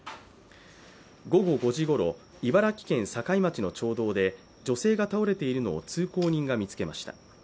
午後５時ごろ、茨城県境町の町道で女性が倒れているのを通行人が見つけました。